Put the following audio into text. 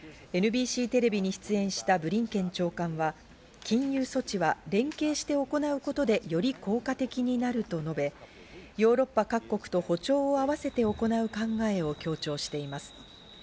ＮＢＣテレビに出演したブリンケン長官は禁輸措置は連携して行うことでより効果的になると述べ、ヨーロッパ各国と歩調を合わせて行う考えを強調しています。